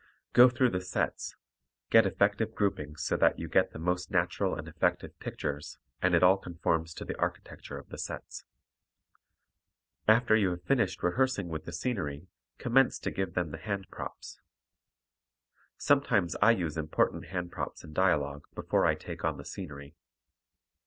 Go through the sets, get effective groupings so that you get the most natural and effective pictures and it all conforms to the architecture of the sets. After you have finished rehearsing with the scenery, commence to give them the hand props. Sometimes I use important hand props in dialogue before I take on the scenery.